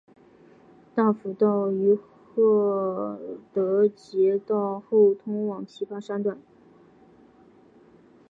大埔道于郝德杰道后通往琵琶山段。